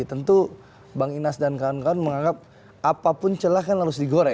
tentu bang inas dan kawan kawan menganggap apapun celah kan harus digoreng